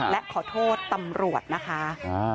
และขอโทษตำรวจนะคะ